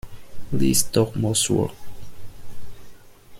Least talk most work.